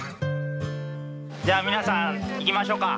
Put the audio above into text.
じゃあ皆さん行きましょうか。